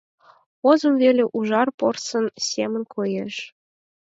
Озым веле ужар порсын семын коеш.